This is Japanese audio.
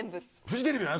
フジテレビです。